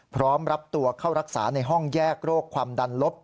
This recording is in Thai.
พร้อมรับตัวเข้ารักษาในห้องแยกโรคความดันลบ